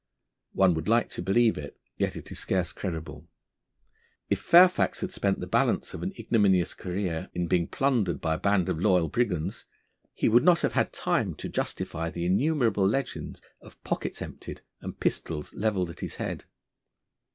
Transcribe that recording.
One would like to believe it; yet it is scarce credible. If Fairfax had spent the balance of an ignominious career in being plundered by a band of loyal brigands, he would not have had time to justify the innumerable legends of pockets emptied and pistols levelled at his head.